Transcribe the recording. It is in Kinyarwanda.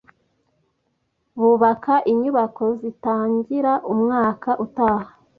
Kubaka inyubako bizatangira umwaka utaha.